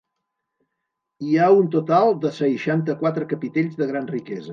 Hi ha un total de seixanta-quatre capitells de gran riquesa.